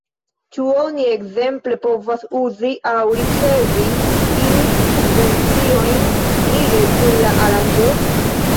Ĉu oni ekzemple povas uzi aŭ ricevi iujn subvenciojn lige kun la aranĝo?